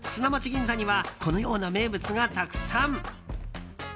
銀座にはこのような名物がたくさん。